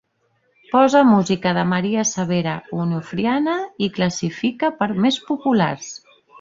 Posa música de Maria Severa Onofriana i classifica per més populars.